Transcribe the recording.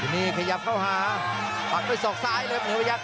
นี่ขยับเข้าหาปักด้วยศอกซ้ายเลยครับเหนือพยักษ